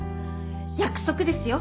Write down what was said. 約束ですよ！